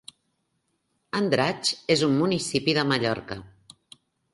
Andratx és un municipi de Mallorca.